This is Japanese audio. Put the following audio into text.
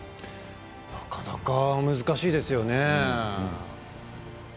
なかなか難しいですよね。